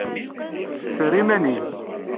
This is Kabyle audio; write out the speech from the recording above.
Ffer iman-im!